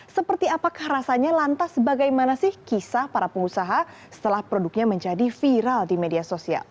seperti apakah rasanya lantas bagaimana sih kisah para pengusaha setelah produknya menjadi viral di media sosial